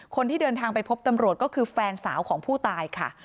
คนที่เดินทางไปพบตำรวจก็คือแฟนสาวของผู้ตายค่ะ